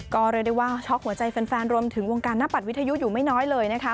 ก็เรียกได้ว่าช็อกหัวใจแฟนรวมถึงวงการหน้าปัดวิทยุอยู่ไม่น้อยเลยนะคะ